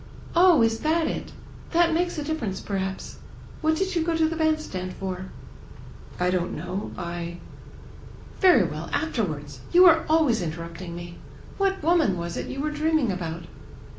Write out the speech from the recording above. "Oh, is that it? That makes a difference, perhaps. What did you go to the bandstand for?" "I don't know; I—" "Very well—afterwards. You are always interrupting me. What woman was it you were dreaming about?"